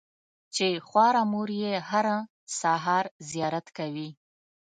چې خواره مور یې هره سهار زیارت کوي.